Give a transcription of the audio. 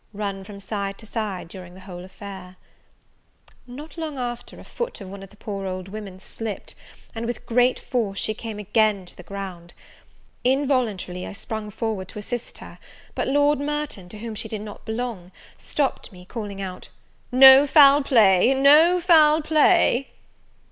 run from side to side during the whole affair. Not long after, a foot of one of the poor women slipt, and with great force she came again to the ground. Involuntarily, I sprung forward to assist her; but Lord Merton, to whom she did not belong, stopped me, calling out, "No foul play! No foul play!"